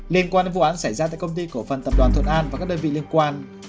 liên quan đến vụ án xảy ra tại công ty cổ phần tập đoàn thuận an và các đơn vị liên quan